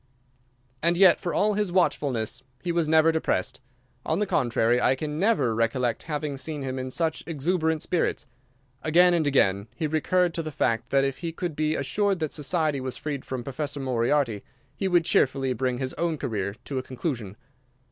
And yet for all his watchfulness he was never depressed. On the contrary, I can never recollect having seen him in such exuberant spirits. Again and again he recurred to the fact that if he could be assured that society was freed from Professor Moriarty he would cheerfully bring his own career to a conclusion.